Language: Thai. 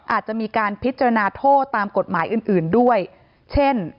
อาจจะมีการพิจารณาโทษตามกฎหมายอื่นอื่นด้วยเช่น